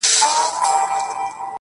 ښه ډېره ښكلا غواړي ،داسي هاسي نه كــيږي~